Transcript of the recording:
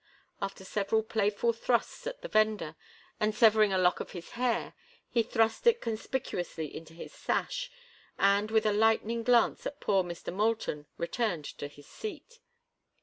After several playful thrusts at the vender, and severing a lock of his hair, he thrust it conspicuously into his sash, and with a lightning glance at poor Mr. Moulton returned to his seat.